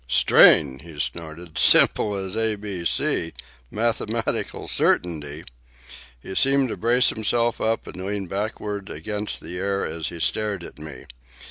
"Strain!" he snorted. "Simple as A, B, C! Mathematical certainty!" He seemed to brace himself up and lean backward against the air as he stared at me.